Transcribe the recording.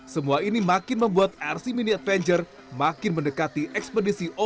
semua ini makin membuat rc mini adventure makin mendekati ekspedisi online